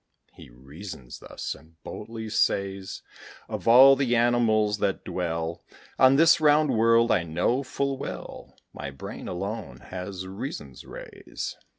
He reasons thus, and boldly says, "Of all the animals that dwell On this round world, I know, full well, My brain alone has reason's rays."